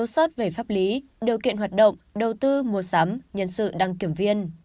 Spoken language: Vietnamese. sót về pháp lý điều kiện hoạt động đầu tư mua sắm nhân sự đăng kiểm viên